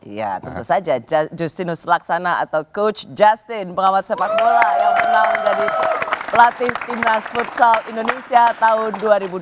ya tentu saja justinus laksana atau coach justin pengamat sepak bola yang pernah menjadi pelatih timnas futsal indonesia tahun dua ribu dua puluh